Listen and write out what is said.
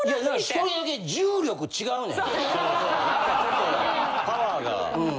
１人だけ重力違うねん。